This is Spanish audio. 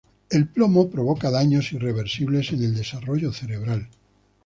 El plomo provoca daños irreversibles en el desarrollo cerebral.